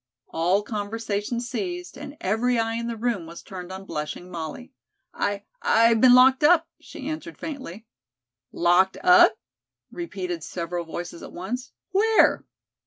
All conversation ceased, and every eye in the room was turned on blushing Molly. "I I've been locked up," she answered faintly. "Locked up?" repeated several voices at once. "Where?"